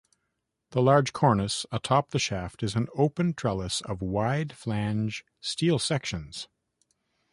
The large cornice atop the shaft is an open trellis of wide-flange steel sections.